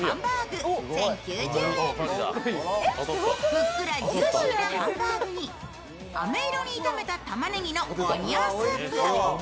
ふっくらジューシーなハンバーグにあめいろに炒めたたまねぎのオニオンスープ。